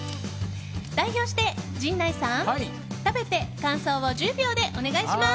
代表して陣内さん、食べて感想を１０秒でお願いします。